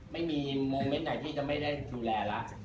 ไม่มีโมเมนต์ไหนที่จะไม่ได้ดูแลแล้ว